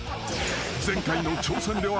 ［前回の挑戦では］